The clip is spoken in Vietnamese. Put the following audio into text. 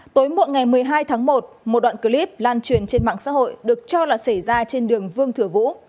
tối muộn ngày một mươi hai tháng một một đoạn clip lan truyền trên mạng xã hội được cho là xảy ra trên đường vương thừa vũ